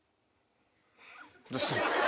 どうしたん？